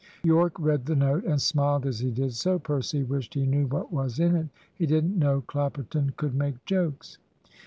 Yorke read the note, and smiled as he did so. Percy wished he knew what was in it. He didn't know Clapperton could make jokes.